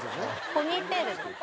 ポニーテールです。